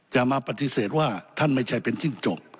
จะมาปฏิเสธว่าท่านไม่ใช่เป็นจิ้งจก